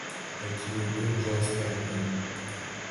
А такія дні ўжо астатнія.